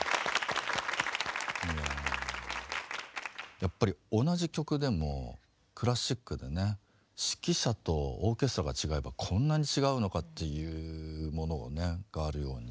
やっぱり同じ曲でもクラシックでね指揮者とオーケストラが違えばこんなに違うのかっていうものをねがあるように。